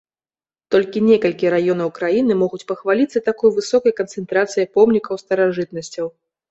Толькі некалькі раёнаў краіны могуць пахваліцца такой высокай канцэнтрацыяй помнікаў старажытнасцяў.